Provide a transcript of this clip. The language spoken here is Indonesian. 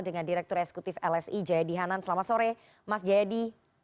dengan direktur eksekutif lsi jayadi hanan selamat sore mas jayadi